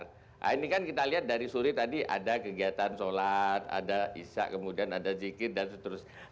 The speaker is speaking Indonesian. nah ini kan kita lihat dari suri tadi ada kegiatan sholat ada isya kemudian ada zikir dan seterusnya